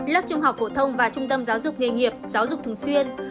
lớp trung học phổ thông và trung tâm giáo dục nghề nghiệp giáo dục thường xuyên